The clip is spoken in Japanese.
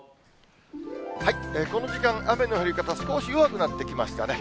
この時間、雨の降り方、少し弱くなってきましたね。